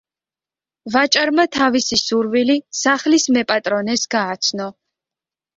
ვაჭარმა თავისი სურვილი სახლის მეპატრონეს გააცნო.